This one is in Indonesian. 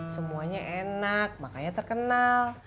semuanya enak makanya terkenal